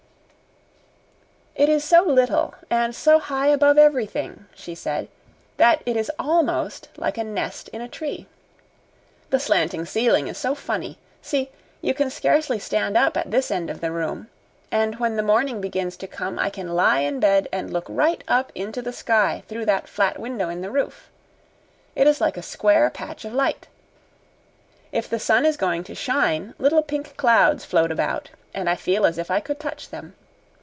"It is so little and so high above everything," she said, "that it is almost like a nest in a tree. The slanting ceiling is so funny. See, you can scarcely stand up at this end of the room; and when the morning begins to come I can lie in bed and look right up into the sky through that flat window in the roof. It is like a square patch of light. If the sun is going to shine, little pink clouds float about, and I feel as if I could touch them.